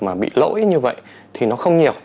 mà bị lỗi như vậy thì nó không nhiều